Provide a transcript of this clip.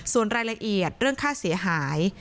ส่วนรายละเอียดเรื่องค่าเสียหาย